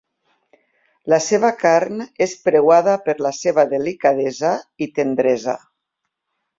La seva carn és preuada per la seva delicadesa i tendresa.